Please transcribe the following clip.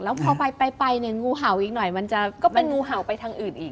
แล้วพอไปเนี่ยงูเห่าอีกหน่อยมันจะก็เป็นงูเห่าไปทางอื่นอีก